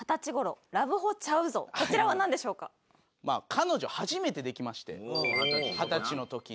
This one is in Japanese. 彼女初めてできまして二十歳の時に。